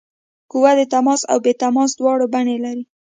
قوه د تماس او بې تماس دواړه بڼې لري.